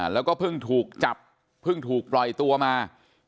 แล้วก็เพิ่งถูกจับเพิ่งถูกปล่อยตัวมา